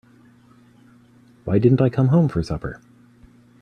Why didn't I come home for supper?